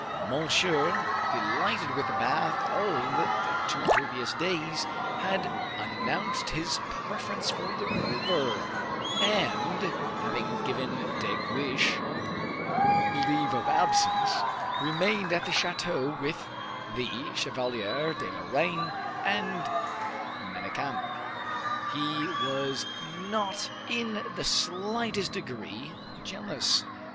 Monsieur, delighted with his bath of the two previous days, had announced his preference for the river, and, having given De Guiche leave of absence, remained at the chateau with the Chevalier de Lorraine and Manicamp. He was not in the slightest degree jealous.